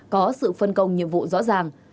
có sự phân công nhiệm vụ rõ ràng